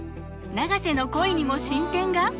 永瀬の恋にも進展が！？